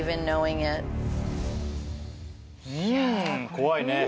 怖いね。